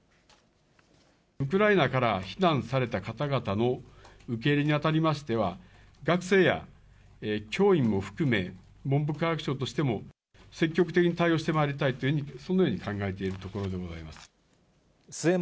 ウクライナから避難された方々の受け入れにあたりましては、学生や教員も含め、文部科学省としても、積極的に対応してまいりたいというふうに、そのように考えているところでございます。